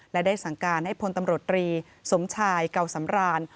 และได้สั่งการให้พลตำรวจตรีสมชายเก่าสำราน